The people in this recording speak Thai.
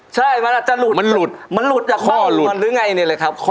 ใช่มันอาจจะหลุดมันหลุดจากบ้านหรือไงนี่แหละครับ